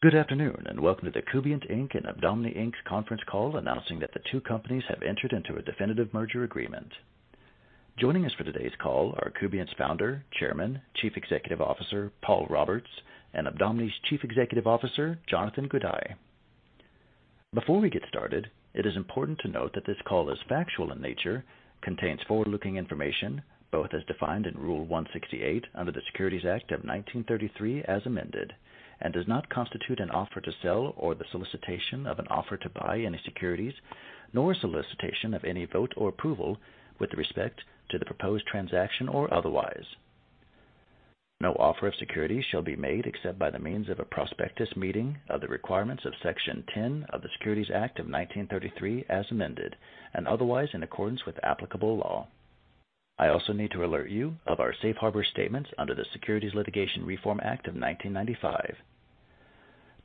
Good afternoon, welcome to the Kubient, Inc. and Adomni Inc. conference call announcing that the two companies have entered into a definitive merger agreement. Joining us for today's call are Kubient's Founder, Chairman, Chief Executive Officer, Paul Roberts, and Adomni's Chief Executive Officer, Jonathan Gudai. Before we get started, it is important to note that this call is factual in nature, contains forward-looking information, both as defined in Rule 168 under the Securities Act of 1933 as amended, and does not constitute an offer to sell or the solicitation of an offer to buy any securities, nor solicitation of any vote or approval with respect to the proposed transaction or otherwise. No offer of securities shall be made except by the means of a prospectus meeting of the requirements of Section 10 of the Securities Act of 1933 as amended and otherwise in accordance with applicable law. I also need to alert you of our safe harbor statements under the Securities Litigation Reform Act of 1995.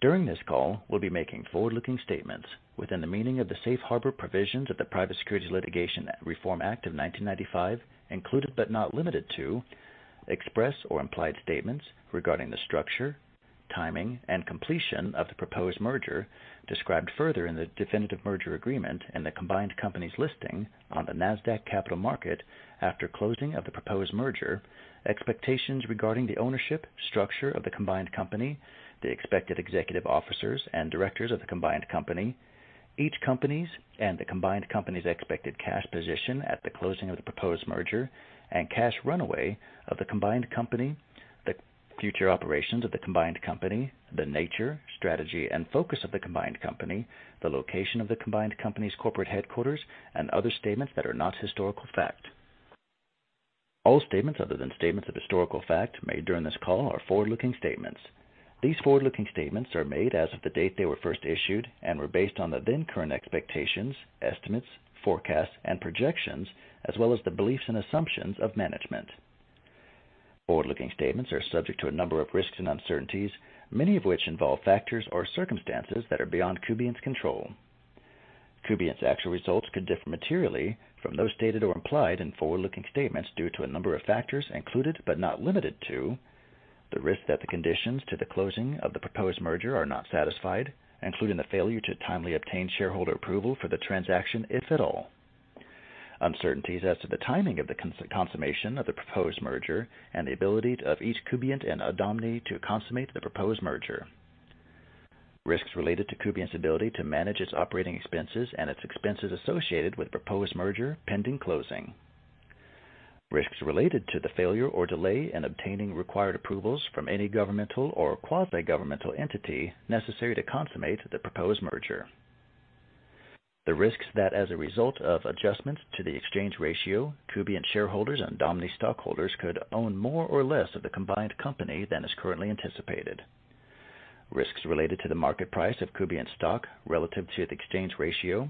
During this call, we'll be making forward-looking statements within the meaning of the safe harbor provisions of the Private Securities Litigation Reform Act of 1995, included but not limited to, express or implied statements regarding the structure, timing, and completion of the proposed merger described further in the definitive merger agreement and the combined company's listing on the Nasdaq Capital Market after closing of the proposed merger. Expectations regarding the ownership structure of the combined company, the expected executive officers and directors of the combined company, each company's and the combined company's expected cash position at the closing of the proposed merger and cash runway of the combined company, the future operations of the combined company, the nature, strategy and focus of the combined company, the location of the combined company's corporate headquarters, and other statements that are not historical fact. All statements other than statements of historical fact made during this call are forward-looking statements. These forward-looking statements are made as of the date they were first issued and were based on the then current expectations, estimates, forecasts, and projections, as well as the beliefs and assumptions of management. Forward-looking statements are subject to a number of risks and uncertainties, many of which involve factors or circumstances that are beyond Kubient's control. Kubient's actual results could differ materially from those stated or implied in forward-looking statements due to a number of factors included but not limited to the risk that the conditions to the closing of the proposed merger are not satisfied, including the failure to timely obtain shareholder approval for the transaction, if at all. Uncertainties as to the timing of the consummation of the proposed merger and the ability of each Kubient and Adomni to consummate the proposed merger. Risks related to Kubient's ability to manage its operating expenses and its expenses associated with proposed merger pending closing. Risks related to the failure or delay in obtaining required approvals from any governmental or quasi-governmental entity necessary to consummate the proposed merger. The risks that, as a result of adjustments to the exchange ratio, Kubient shareholders and Adomni stockholders could own more or less of the combined company than is currently anticipated. Risks related to the market price of Kubient's stock relative to the exchange ratio.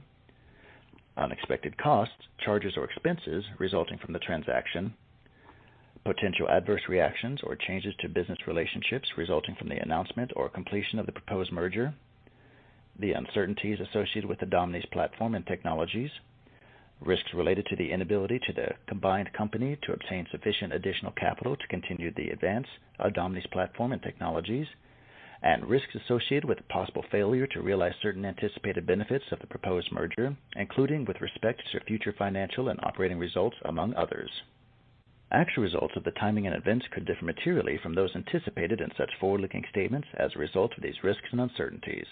Unexpected costs, charges or expenses resulting from the transaction. Potential adverse reactions or changes to business relationships resulting from the announcement or completion of the proposed merger. The uncertainties associated with Adomni's platform and technologies. Risks related to the inability to the combined company to obtain sufficient additional capital to continue the advance Adomni's platform and technologies, and risks associated with the possible failure to realize certain anticipated benefits of the proposed merger, including with respect to future financial and operating results, among others. Actual results of the timing and events could differ materially from those anticipated in such forward-looking statements as a result of these risks and uncertainties.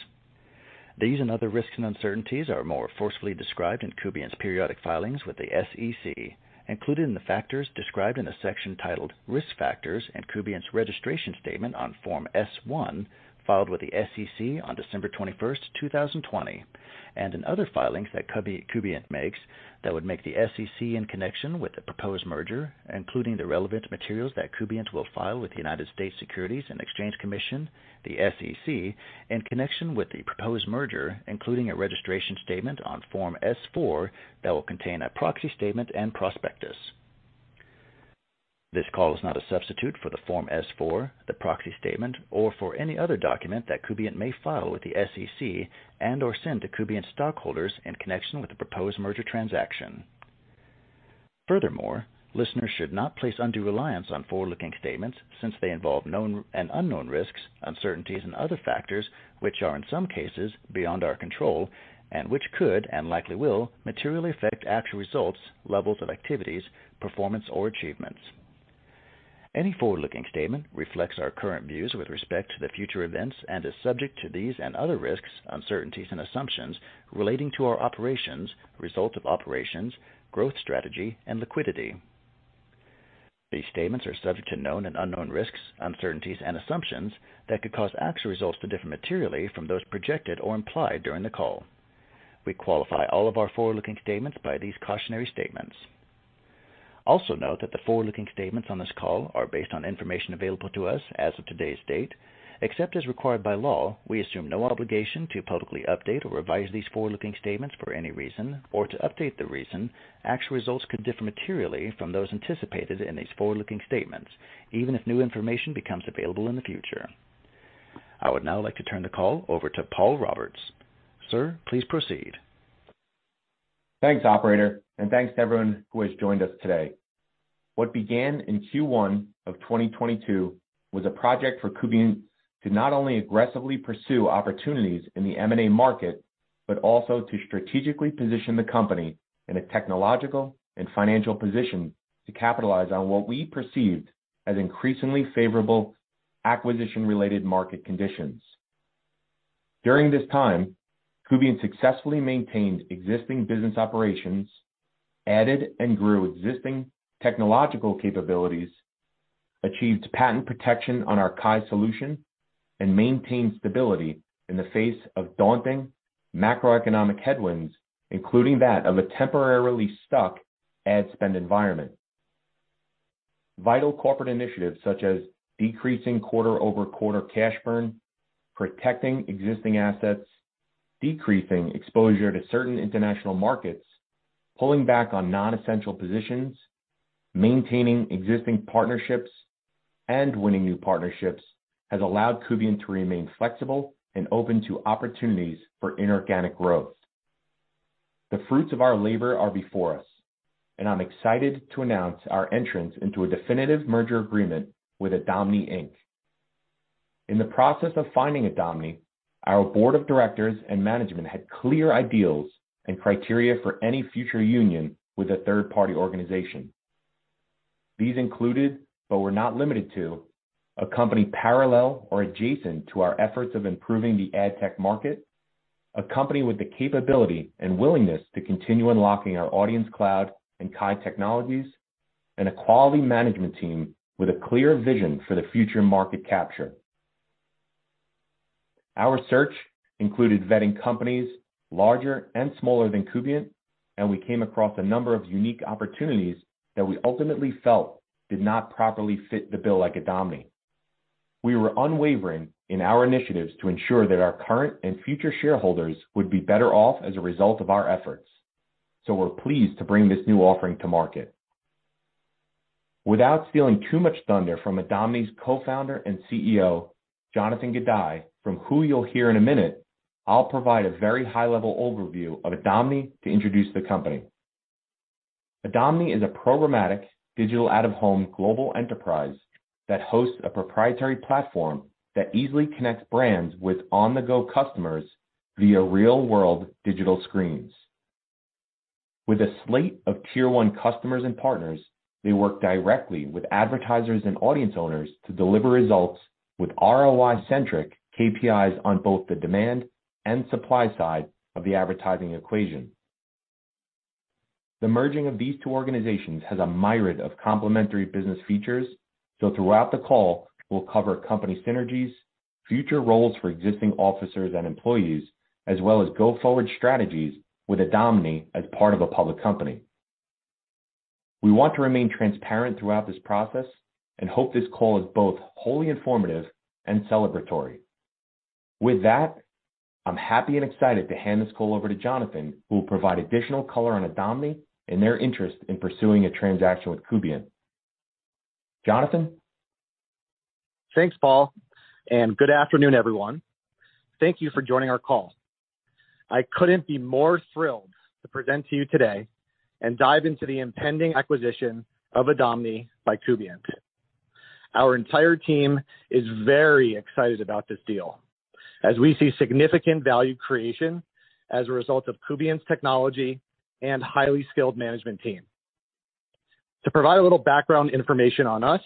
These and other risks and uncertainties are more forcefully described in Kubient's periodic filings with the SEC, including the factors described in the section titled Risk Factors in Kubient's registration statement on Form S-1 filed with the SEC on December 21st, 2020, and in other filings that Kubient makes that would make the SEC in connection with the proposed merger, including the relevant materials that Kubient will file with the United States Securities and Exchange Commission, the SEC, in connection with the proposed merger, including a registration statement on Form S-4 that will contain a proxy statement and prospectus. This call is not a substitute for the Form S-4, the proxy statement, or for any other document that Kubient may file with the SEC and/or send to Kubient stockholders in connection with the proposed merger transaction. Furthermore, listeners should not place undue reliance on forward-looking statements since they involve known and unknown risks, uncertainties, and other factors which are in some cases beyond our control and which could and likely will materially affect actual results, levels of activities, performance or achievements. Any forward-looking statement reflects our current views with respect to the future events and is subject to these and other risks, uncertainties and assumptions relating to our operations, results of operations, growth, strategy, and liquidity. These statements are subject to known and unknown risks, uncertainties and assumptions that could cause actual results to differ materially from those projected or implied during the call. We qualify all of our forward-looking statements by these cautionary statements. Also note that the forward-looking statements on this call are based on information available to us as of today's date. Except as required by law, we assume no obligation to publicly update or revise these forward-looking statements for any reason or to update the reason actual results could differ materially from those anticipated in these forward-looking statements, even if new information becomes available in the future. I would now like to turn the call over to Paul Roberts. Sir, please proceed. Thanks operator, and thanks to everyone who has joined us today. What began in Q1 of 2022 was a project for Kubient to not only aggressively pursue opportunities in the M&A market, but also to strategically position the company in a technological and financial position to capitalize on what we perceived as increasingly favorable acquisition-related market conditions. During this time, Kubient successfully maintained existing business operations, added and grew existing technological capabilities, achieved patent protection on our KAI solution, and maintained stability in the face of daunting macroeconomic headwinds, including that of a temporarily stuck ad spend environment. Vital corporate initiatives such as decreasing quarter-over-quarter cash burn, protecting existing assets, decreasing exposure to certain international markets, pulling back on non-essential positions, maintaining existing partnerships, and winning new partnerships has allowed Kubient to remain flexible and open to opportunities for inorganic growth. The fruits of our labor are before us, and I'm excited to announce our entrance into a definitive merger agreement with Adomni Inc. In the process of finding Adomni, our board of directors and management had clear ideals and criteria for any future union with a third party organization. These included, but were not limited to, a company parallel or adjacent to our efforts of improving the ad tech market, a company with the capability and willingness to continue unlocking our Audience Cloud and KAI technologies, and a quality management team with a clear vision for the future market capture. Our search included vetting companies larger and smaller than Kubient, and we came across a number of unique opportunities that we ultimately felt did not properly fit the bill like Adomni. We were unwavering in our initiatives to ensure that our current and future shareholders would be better off as a result of our efforts. We're pleased to bring this new offering to market. Without stealing too much thunder from Adomni's Co-founder and CEO, Jonathan Gudai, from who you'll hear in a minute, I'll provide a very high-level overview of Adomni to introduce the company. Adomni is a programmatic digital out-of-home global enterprise that hosts a proprietary platform that easily connects brands with on-the-go customers via real-world digital screens. With a slate of tier one customers and partners, they work directly with advertisers and audience owners to deliver results with ROI-centric KPIs on both the demand and supply side of the advertising equation. The merging of these two organizations has a myriad of complementary business features. Throughout the call, we'll cover company synergies, future roles for existing officers and employees, as well as go-forward strategies with Adomni as part of a public company. We want to remain transparent throughout this process and hope this call is both wholly informative and celebratory. With that, I'm happy and excited to hand this call over to Jonathan, who will provide additional color on Adomni and their interest in pursuing a transaction with Kubient. Jonathan? Thanks, Paul. Good afternoon, everyone. Thank you for joining our call. I couldn't be more thrilled to present to you today and dive into the impending acquisition of Adomni by Kubient. Our entire team is very excited about this deal as we see significant value creation as a result of Kubient's technology and highly skilled management team. To provide a little background information on us,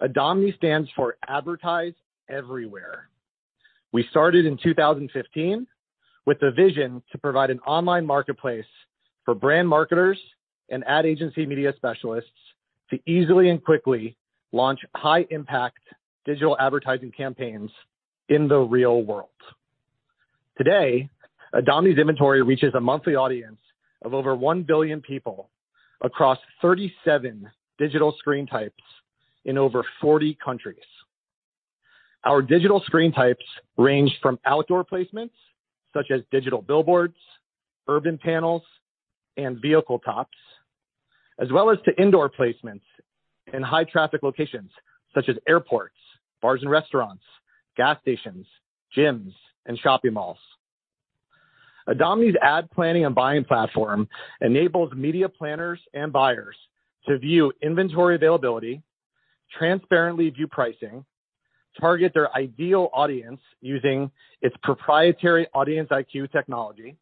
Adomni stands for Advertise Everywhere. We started in 2015 with the vision to provide an online marketplace for brand marketers and ad agency media specialists to easily and quickly launch high-impact digital advertising campaigns in the real world. Today, Adomni's inventory reaches a monthly audience of over 1 billion people across 37 digital screen types in over 40 countries. Our digital screen types range from outdoor placements such as digital billboards, urban panels, and vehicle tops, as well as to indoor placements in high-traffic locations such as airports, bars, and restaurants, gas stations, gyms, and shopping malls. Adomni's ad planning and buying platform enables media planners and buyers to view inventory availability, transparently view pricing, target their ideal audience using its proprietary Audience IQ technology,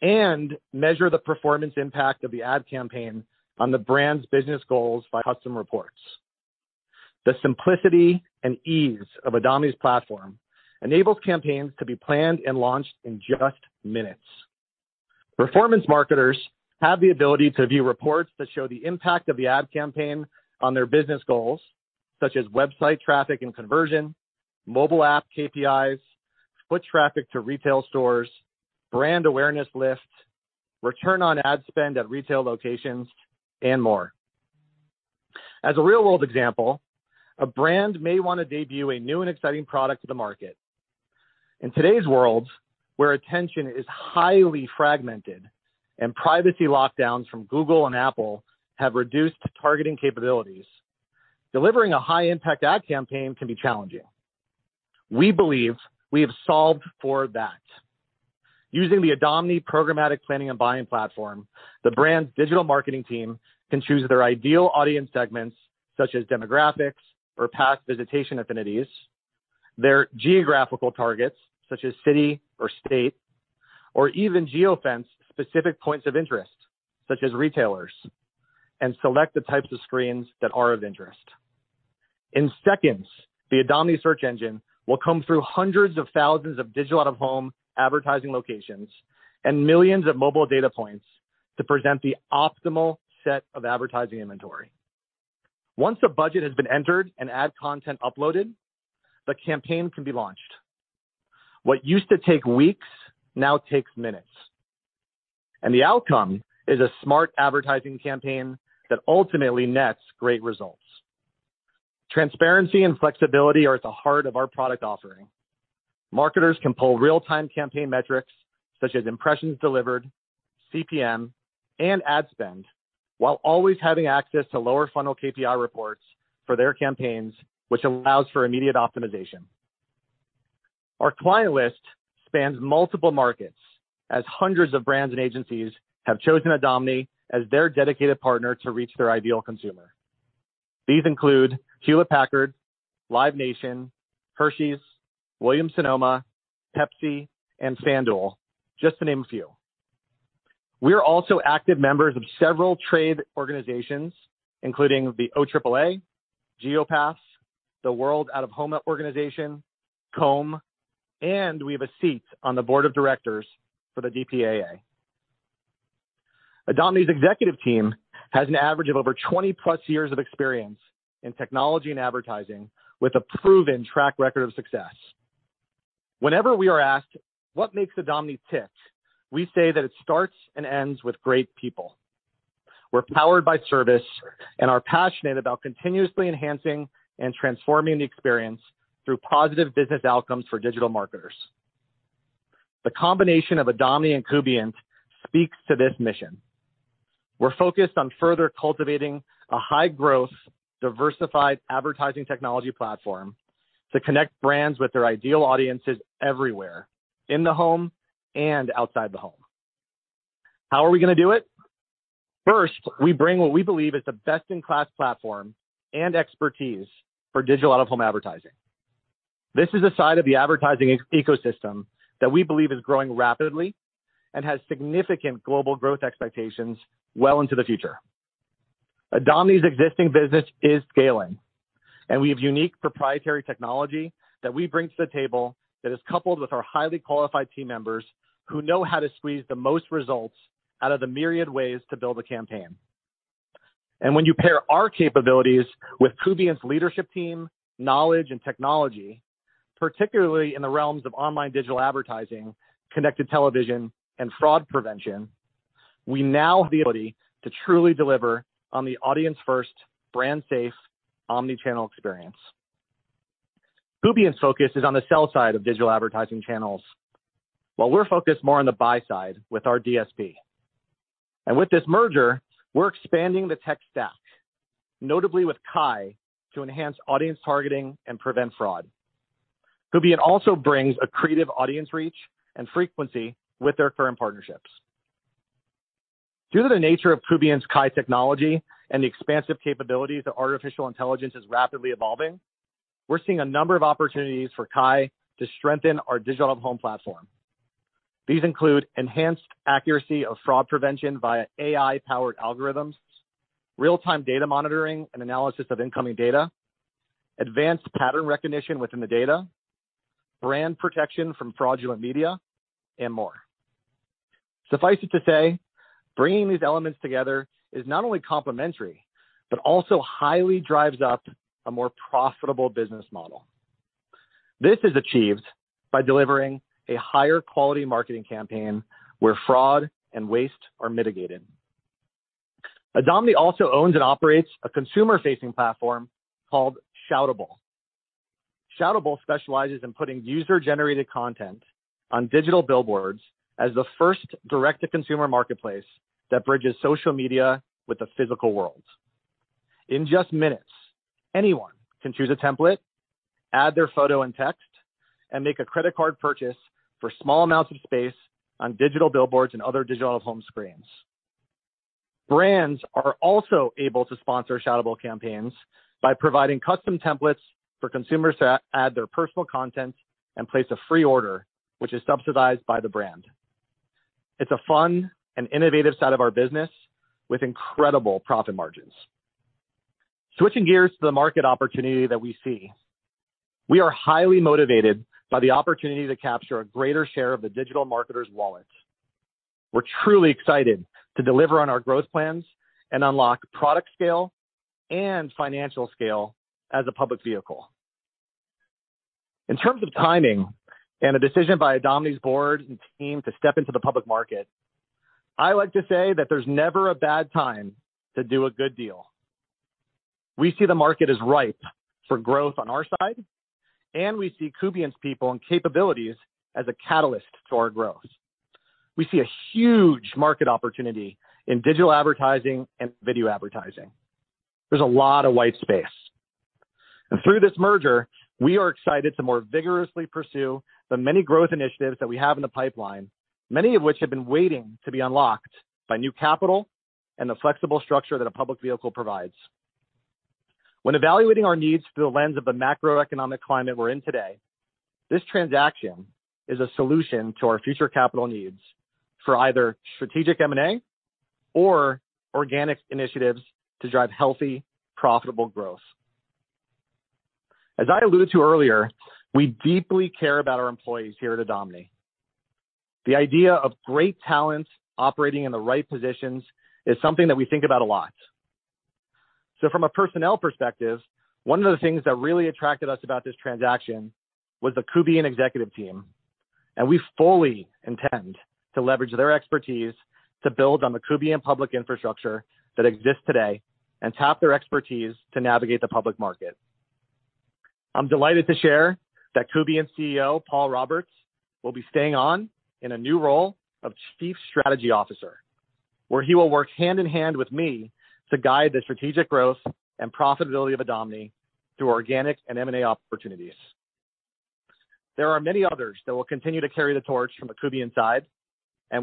and measure the performance impact of the ad campaign on the brand's business goals by custom reports. The simplicity and ease of Adomni's platform enables campaigns to be planned and launched in just minutes. Performance marketers have the ability to view reports that show the impact of the ad campaign on their business goals, such as website traffic and conversion, mobile app KPIs, foot traffic to retail stores, brand awareness lists, return on ad spend at retail locations, and more. As a real-world example, a brand may want to debut a new and exciting product to the market. In today's world, where attention is highly fragmented and privacy lockdowns from Google and Apple have reduced targeting capabilities, delivering a high-impact ad campaign can be challenging. We believe we have solved for that. Using the Adomni programmatic planning and buying platform, the brand's digital marketing team can choose their ideal audience segments, such as demographics or past visitation affinities, their geographical targets, such as city or state, or even geofence specific points of interest, such as retailers, and select the types of screens that are of interest. In seconds, the Adomni search engine will comb through hundreds of thousands of digital out-of-home advertising locations and millions of mobile data points to present the optimal set of advertising inventory. Once a budget has been entered and ad content uploaded, the campaign can be launched. What used to take weeks now takes minutes, and the outcome is a smart advertising campaign that ultimately nets great results. Transparency and flexibility are at the heart of our product offering. Marketers can pull real-time campaign metrics such as impressions delivered, CPM, and ad spend, while always having access to lower funnel KPI reports for their campaigns, which allows for immediate optimization. Our client list spans multiple markets as hundreds of brands and agencies have chosen Adomni as their dedicated partner to reach their ideal consumer. These include Hewlett-Packard, Live Nation, Hershey's, Williams Sonoma, Pepsi and FanDuel, just to name a few. We are also active members of several trade organizations, including the OAAA, Geopath, the World Out of Home Organization, COM, and we have a seat on the board of directors for the DPAA. Adomni's executive team has an average of over 20+ years of experience in technology and advertising, with a proven track record of success. Whenever we are asked what makes Adomni tick, we say that it starts and ends with great people. We're powered by service and are passionate about continuously enhancing and transforming the experience through positive business outcomes for digital marketers. The combination of Adomni and Kubient speaks to this mission. We're focused on further cultivating a high-growth, diversified advertising technology platform to connect brands with their ideal audiences everywhere in the home and outside the home. How are we gonna do it? First, we bring what we believe is a best-in-class platform and expertise for digital out-of-home advertising. This is a side of the advertising ecosystem that we believe is growing rapidly and has significant global growth expectations well into the future. Adomni's existing business is scaling, we have unique proprietary technology that we bring to the table that is coupled with our highly qualified team members who know how to squeeze the most results out of the myriad ways to build a campaign. When you pair our capabilities with Kubient's leadership team, knowledge, and technology, particularly in the realms of online digital advertising, connected television, and fraud prevention, we now have the ability to truly deliver on the audience first brand safe omnichannel experience. Kubient's focus is on the sell side of digital advertising channels, while we're focused more on the buy side with our DSP. With this merger, we're expanding the tech stack, notably with KAI, to enhance audience targeting and prevent fraud. Kubient also brings a creative audience reach and frequency with their current partnerships. Due to the nature of Kubient's KAI technology and the expansive capabilities of artificial intelligence is rapidly evolving, we're seeing a number of opportunities for KAI to strengthen our digital out-of-home platform. These include enhanced accuracy of fraud prevention via AI-powered algorithms, real-time data monitoring and analysis of incoming data, advanced pattern recognition within the data, brand protection from fraudulent media, and more. Suffice it to say, bringing these elements together is not only complementary, but also highly drives up a more profitable business model. This is achieved by delivering a higher quality marketing campaign where fraud and waste are mitigated. Adomni also owns and operates a consumer-facing platform called Shoutable. Shoutable specializes in putting user-generated content on digital billboards as the first direct-to-consumer marketplace that bridges social media with the physical world. In just minutes, anyone can choose a template, add their photo and text, and make a credit card purchase for small amounts of space on digital billboards and other digital home screens. Brands are also able to sponsor Shoutable campaigns by providing custom templates for consumers to add their personal content and place a free order which is subsidized by the brand. It's a fun and innovative side of our business with incredible profit margins. Switching gears to the market opportunity that we see, we are highly motivated by the opportunity to capture a greater share of the digital marketers' wallets. We're truly excited to deliver on our growth plans and unlock product scale and financial scale as a public vehicle. In terms of timing and a decision by Adomni's board and team to step into the public market, I like to say that there's never a bad time to do a good deal. We see the market as ripe for growth on our side, and we see Kubient's people and capabilities as a catalyst to our growth. We see a huge market opportunity in digital advertising and video advertising. There's a lot of white space. Through this merger, we are excited to more vigorously pursue the many growth initiatives that we have in the pipeline, many of which have been waiting to be unlocked by new capital and the flexible structure that a public vehicle provides. When evaluating our needs through the lens of the macroeconomic climate we're in today, this transaction is a solution to our future capital needs for either strategic M&A or organic initiatives to drive healthy, profitable growth. As I alluded to earlier, we deeply care about our employees here at Adomni. The idea of great talent operating in the right positions is something that we think about a lot. From a personnel perspective, one of the things that really attracted us about this transaction was the Kubient executive team, and we fully intend to leverage their expertise to build on the Kubient public infrastructure that exists today and tap their expertise to navigate the public market. I'm delighted to share that Kubient CEO, Paul Roberts, will be staying on in a new role of chief strategy officer, where he will work hand in hand with me to guide the strategic growth and profitability of Adomni through organic and M&A opportunities. There are many others that will continue to carry the torch from the Kubient side.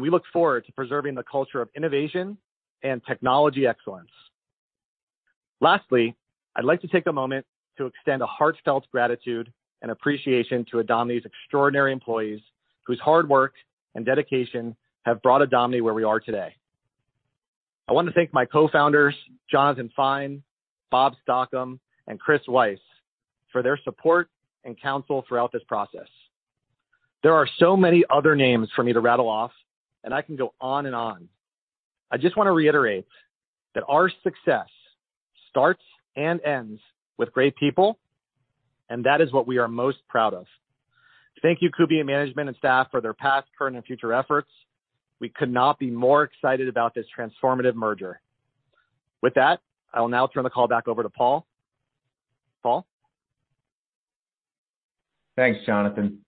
We look forward to preserving the culture of innovation and technology excellence. Lastly, I'd like to take a moment to extend a heartfelt gratitude and appreciation to Adomni's extraordinary employees, whose hard work and dedication have brought Adomni where we are today. I want to thank my co-founders, Jonathan Fine, Bob Stockham, and Chris Weiss, for their support and counsel throughout this process. There are so many other names for me to rattle off. I can go on and on. I just want to reiterate that our success starts and ends with great people. That is what we are most proud of. Thank you, Kubient management and staff, for their past, current and future efforts. We could not be more excited about this transformative merger. With that, I will now turn the call back over to Paul. Paul? Thanks, Jonathan.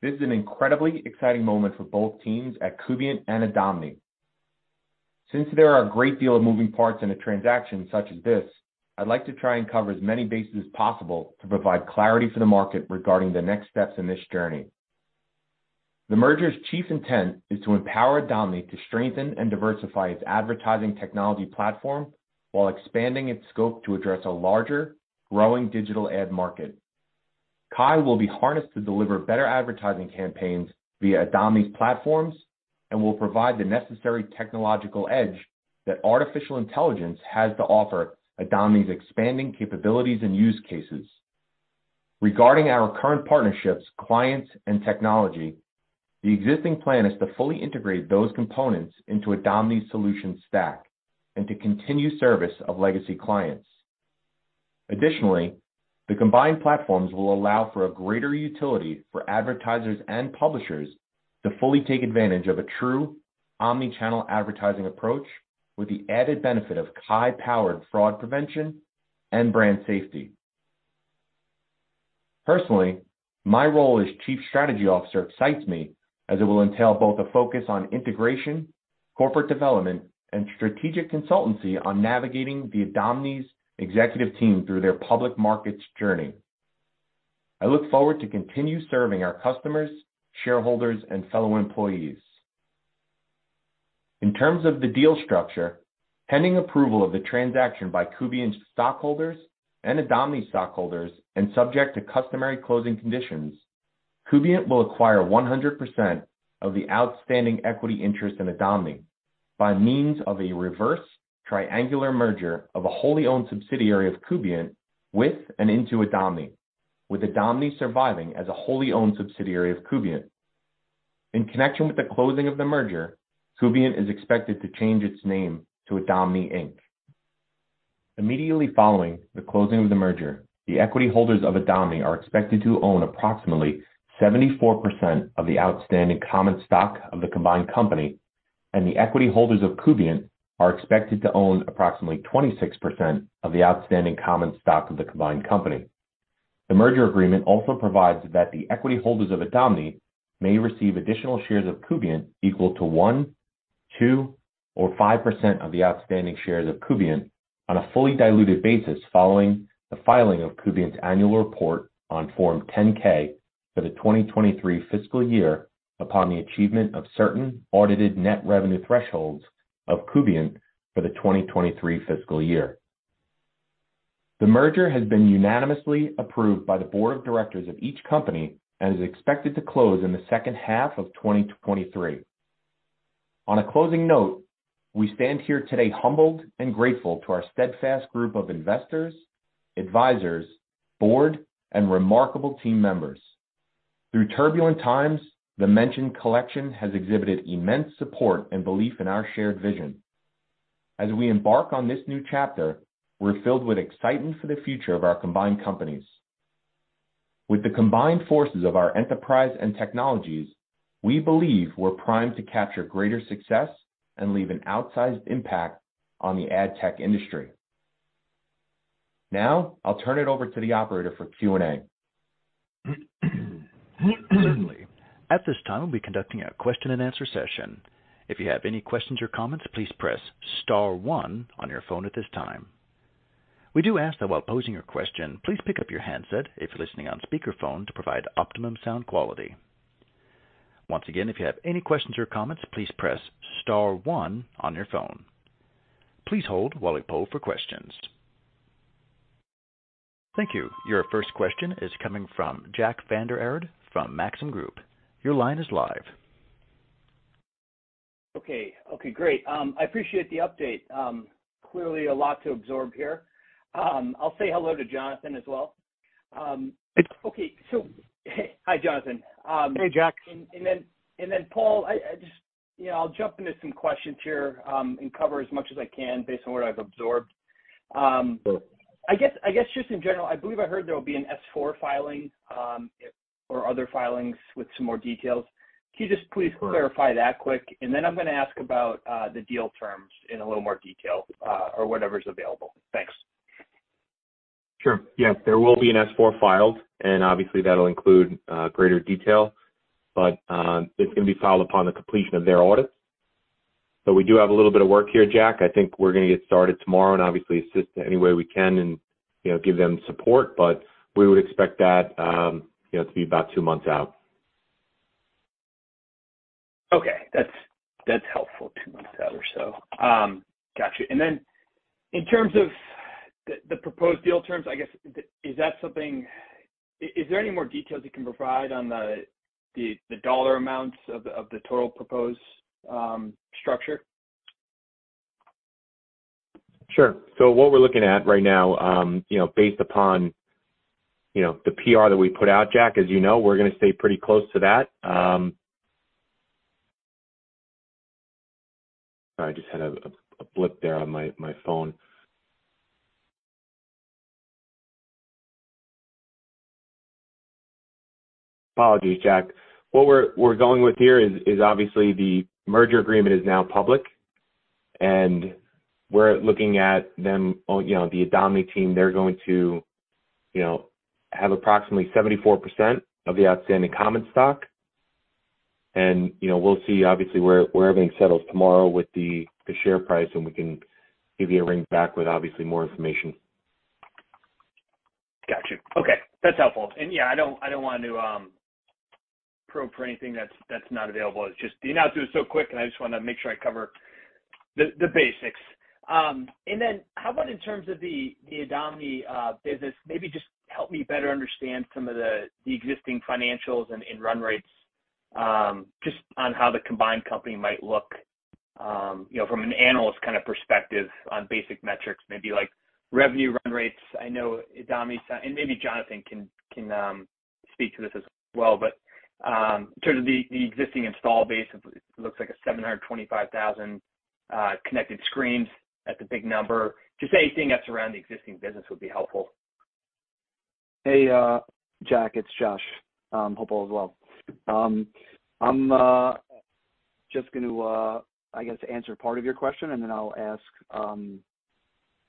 This is an incredibly exciting moment for both teams at Kubient and Adomni. Since there are a great deal of moving parts in a transaction such as this, I'd like to try and cover as many bases as possible to provide clarity for the market regarding the next steps in this journey. The merger's chief intent is to empower Adomni to strengthen and diversify its advertising technology platform while expanding its scope to address a larger, growing digital ad market. KAI will be harnessed to deliver better advertising campaigns via Adomni's platforms and will provide the necessary technological edge that artificial intelligence has to offer Adomni's expanding capabilities and use cases. Regarding our current partnerships, clients, and technology, the existing plan is to fully integrate those components into Adomni's solution stack and to continue service of legacy clients. Additionally, the combined platforms will allow for a greater utility for advertisers and publishers to fully take advantage of a true omnichannel advertising approach with the added benefit of KAI-powered fraud prevention and brand safety. Personally, my role as chief strategy officer excites me as it will entail both a focus on integration, corporate development, and strategic consultancy on navigating the Adomni's executive team through their public markets journey. I look forward to continue serving our customers, shareholders, and fellow employees. In terms of the deal structure, pending approval of the transaction by Kubient stockholders and Adomni stockholders and subject to customary closing conditions, Kubient will acquire 100% of the outstanding equity interest in Adomni by means of a reverse triangular merger of a wholly owned subsidiary of Kubient with and into Adomni, with Adomni surviving as a wholly owned subsidiary of Kubient. In connection with the closing of the merger, Kubient is expected to change its name to Adomni Inc. Immediately following the closing of the merger, the equity holders of Adomni are expected to own approximately 74% of the outstanding common stock of the combined company, and the equity holders of Kubient are expected to own approximately 26% of the outstanding common stock of the combined company. The merger agreement also provides that the equity holders of Adomni may receive additional shares of Kubient equal to 1%, 2%, or 5% of the outstanding shares of Kubient on a fully diluted basis following the filing of Kubient's annual report on Form 10-K for the 2023 fiscal year, upon the achievement of certain audited net revenue thresholds of Kubient for the 2023 fiscal year. The merger has been unanimously approved by the board of directors of each company and is expected to close in the second half of 2023. On a closing note, we stand here today humbled and grateful to our steadfast group of investors, advisors, board, and remarkable team members. Through turbulent times, the mentioned collection has exhibited immense support and belief in our shared vision. As we embark on this new chapter, we're filled with excitement for the future of our combined companies. With the combined forces of our enterprise and technologies, we believe we're primed to capture greater success and leave an outsized impact on the ad tech industry. I'll turn it over to the operator for Q&A. Certainly. At this time, we'll be conducting a question and answer session. If you have any questions or comments, please press star one on your phone at this time. We do ask that while posing your question, please pick up your handset if you're listening on speakerphone to provide optimum sound quality. Once again, if you have any questions or comments, please press star one on your phone. Please hold while we poll for questions. Thank you. Your first question is coming from Jack Vander Aarde from Maxim Group. Your line is live. Okay. Okay, great. I appreciate the update. Clearly a lot to absorb here. I'll say hello to Jonathan as well. Okay, so, hi, Jonathan. Hey, Jack. Paul, You know, I'll jump into some questions here, and cover as much as I can based on what I've absorbed. I guess just in general, I believe I heard there will be an S4 filing, if or other filings with some more details. Can you just please clarify that quick? I'm gonna ask about the deal terms in a little more detail, or whatever's available. Thanks. Sure. Yeah. There will be an S4 filed, that'll include greater detail, it's gonna be filed upon the completion of their audits. We do have a little bit of work here, Jack. I think we're gonna get started tomorrow and obviously assist any way we can and, you know, give them support. We would expect that, you know, to be about two months out. Okay. That's helpful. Two months out or so. Got you. In terms of the proposed deal terms, I guess, is there any more details you can provide on the dollar amounts of the total proposed structure? Sure. What we're looking at right now, you know, based upon, you know, the PR that we put out, Jack, as you know, we're gonna stay pretty close to that. Sorry, I just had a blip there on my phone. Apologies, Jack. What we're going with here is obviously the merger agreement is now public, and we're looking at them, you know, the Adomni team, they're going to, you know, have approximately 74% of the outstanding common stock. You know, we'll see obviously where everything settles tomorrow with the share price, and we can give you a ring back with obviously more information. Got you. Okay, that's helpful. Yeah, I don't, I don't want to probe for anything that's not available. It's just the announcement was so quick, and I just wanna make sure I cover the basics. Then how about in terms of the Adomni business? Maybe just help me better understand some of the existing financials and run rates, just on how the combined company might look, you know, from an analyst kind of perspective on basic metrics, maybe like revenue run rates. I know Adomni and maybe Jonathan can speak to this as well, but, in terms of the existing install base, it looks like a 725,000 connected screens at the big number. Just anything that's around the existing business would be helpful. Hey, Jack, it's Joshua Huppal as well. I'm just gonna, I guess, answer part of your question, and then I'll ask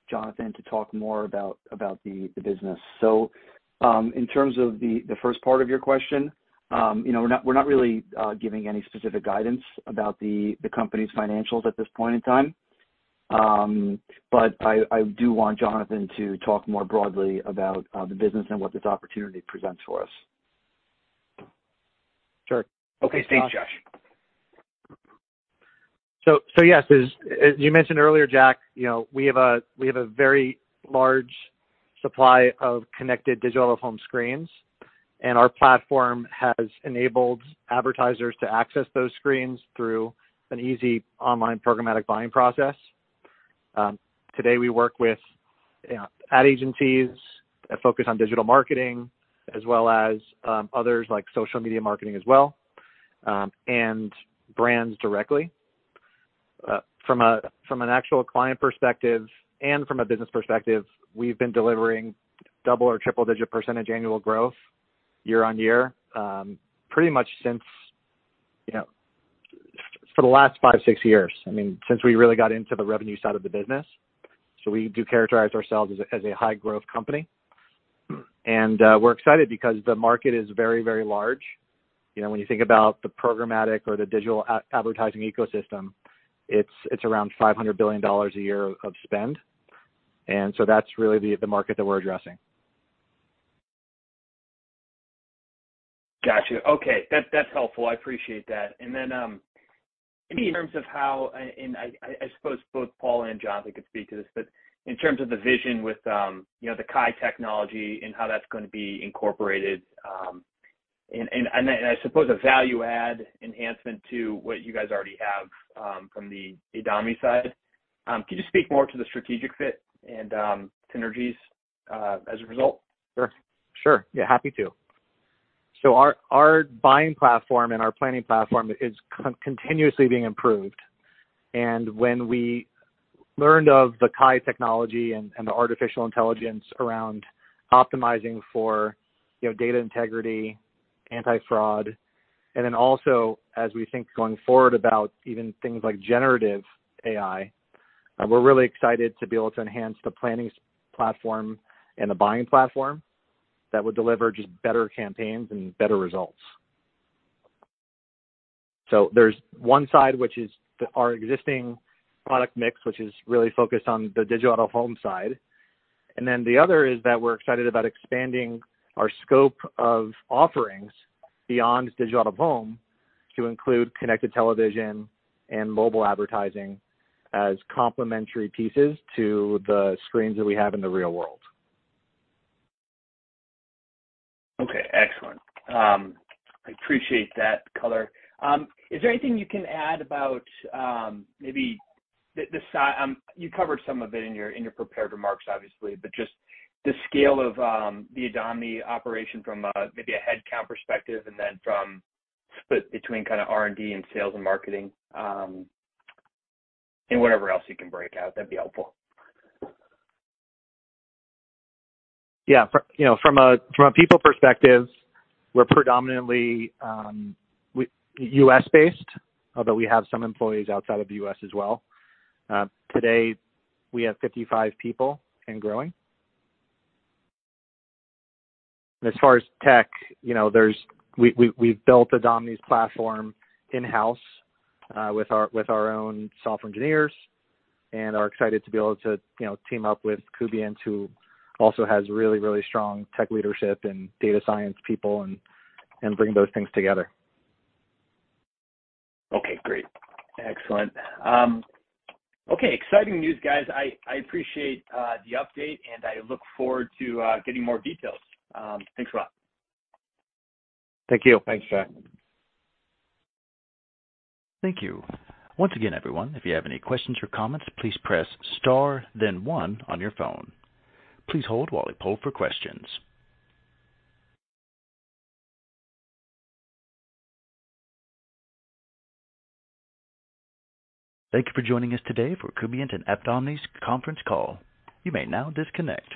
Jonathan to talk more about the business. In terms of the first part of your question, you know, we're not really giving any specific guidance about the company's financials at this point in time. I do want Jonathan to talk more broadly about the business and what this opportunity presents for us. Sure. Okay. Thanks, Josh. Yes, as you mentioned earlier, Jack, you know, we have a very large supply of connected digital out-of-home screens, and our platform has enabled advertisers to access those screens through an easy online programmatic buying process. Today, we work with, you know, ad agencies that focus on digital marketing as well as others like social media marketing as well, and brands directly. From an actual client perspective and from a business perspective, we've been delivering double or triple-digit % annual growth year-over-year, pretty much since, you know, for the last five, six years. I mean, since we really got into the revenue side of the business. We do characterize ourselves as a high growth company. We're excited because the market is very, very large. You know, when you think about the programmatic or the digital advertising ecosystem, it's around $500 billion a year of spend. That's really the market that we're addressing. Got you. Okay. That's, that's helpful. I appreciate that. Maybe in terms of how, I suppose both Paul and Jonathan could speak to this, but in terms of the vision with, you know, the KAI technology and how that's gonna be incorporated, I suppose a value add enhancement to what you guys already have, from the Adomni side, could you speak more to the strategic fit and synergies as a result? Sure. Sure. Yeah, happy to. Our buying platform and our planning platform is continuously being improved. When we learned of the KAI technology and the artificial intelligence around optimizing for, you know, data integrity, anti-fraud, and then also as we think going forward about even things like generative AI. We're really excited to be able to enhance the planning platform and the buying platform that would deliver just better campaigns and better results. There's one side which is our existing product mix, which is really focused on the digital out-of-home side. The other is that we're excited about expanding our scope of offerings beyond digital out-of-home to include connected television and mobile advertising as complementary pieces to the screens that we have in the real world. Okay, excellent. I appreciate that color. Is there anything you can add about maybe the, you covered some of it in your prepared remarks, obviously, but just the scale of the Adomni operation from maybe a headcount perspective and then split between kind of R&D and sales and marketing, and whatever else you can break out, that'd be helpful? From, you know, from a people perspective, we're predominantly U.S.-based, although we have some employees outside of the U.S. as well. Today we have 55 people and growing. We've built Adomni's platform in-house with our own software engineers and are excited to be able to, you know, team up with Kubient who also has really, really strong tech leadership and data science people and bring those things together. Okay, great. Excellent. Okay, exciting news, guys. I appreciate the update. I look forward to getting more details. Thanks a lot. Thank you. Thanks, Jack. Thank you. Once again, everyone, if you have any questions or comments, please press star then one on your phone. Please hold while we poll for questions. Thank you for joining us today for Kubient and Adomni's conference call. You may now disconnect.